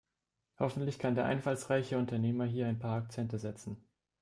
Hoffentlich kann der einfallsreiche Unternehmer hier ein paar Akzente setzen.